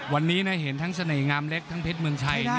วันนี้เห็นทั้งเซน่อองาลแชนกอลับเรือ